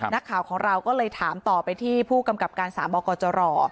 นักข่าวของเราก็เลยถามต่อไปที่ผู้กำกับการ๓บกจร